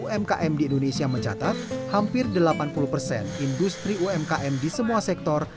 umkm di indonesia mencatat hampir delapan puluh persen industri umkm di semua sektor